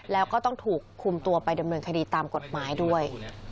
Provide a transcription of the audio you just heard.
แล้วก็ต้องถูกคุมตัวไปดำเนินคดีตามกฎหมายด้วย